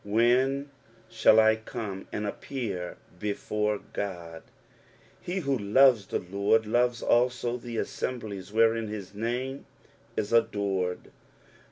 " When tiiiU J come and appear before Oodf" He who loves the Lord loves also the aasembiies wherein his name is adored.